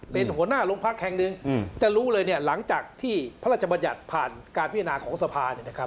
เป็นหัวหน้าลงพักแข่งหนึ่งจะรู้เลยหลังจากที่พระราชบัญญัติผ่านการพิจารณาของสภา